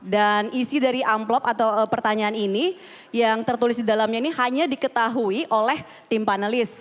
dan isi dari amplop atau pertanyaan ini yang tertulis di dalamnya ini hanya diketahui oleh tim panelis